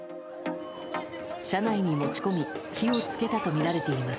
車内に持ち込み火を付けたとみられています。